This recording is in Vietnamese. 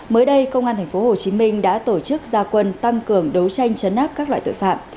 mới đây công an tp hcm đã tổ chức gia quân tăng cường đấu tranh chấn áp các loại tội phạm